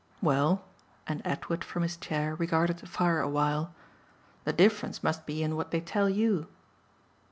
"Well" and Edward from his chair regarded the fire a while "the difference must be in what they tell YOU."